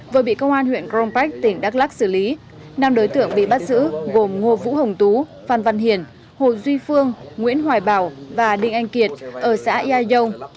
vừa bị công an huyện crom pek tỉnh đắk lắc xử lý năm đối tượng bị bắt giữ gồm ngô vũ hồng tú phan văn hiền hồ duy phương nguyễn hoài bảo và đinh anh kiệt ở xã yai dông